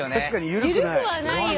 ゆるくはないよ。